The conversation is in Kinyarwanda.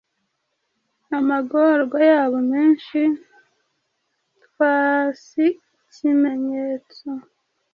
Amagorwa yabo menshi Twas ikimenyetso